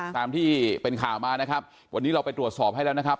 ตามที่เป็นข่าวมานะครับวันนี้เราไปตรวจสอบให้แล้วนะครับ